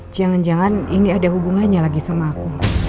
jangan jangan ini ada hubungannya lagi sama aku